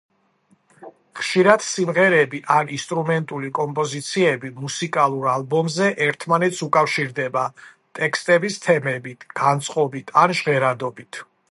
ხშირად სიმღერები ან ინსტრუმენტული კომპოზიციები მუსიკალურ ალბომზე ერთმანეთს უკავშირდება ტექსტების თემებით, განწყობით ან ჟღერადობით.